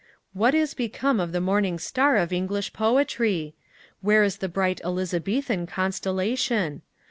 What Is become of the morning star of English Poetry? Where is the bright Elizabethan constellation?